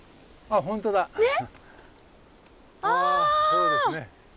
そうですね。